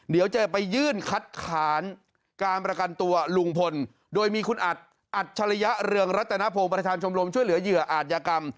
เดี๋ยวจะไปยื่นคัดค้านการประกันตัวลุงพลโดยมีคุณอัดอัจฉริยะเรืองรัตนพงศ์ประธานชมรมช่วยเหลือเหยื่ออาจยากรรม